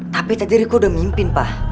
tapi tadi riku udah mimpin pa